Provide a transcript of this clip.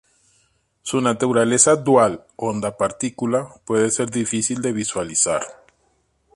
Su naturaleza dual onda-partícula puede ser difícil de visualizar.